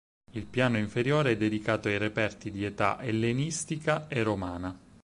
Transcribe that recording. Il piano inferiore è dedicato ai reperti di età ellenistica e romana.